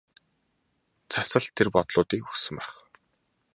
Цас л тэр бодлуудыг өгсөн байх.